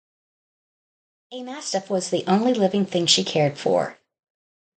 A mastiff was the only living thing she cared for.